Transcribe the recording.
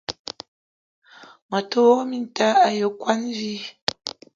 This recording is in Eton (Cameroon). Me te wok minta ayi okwuan vi.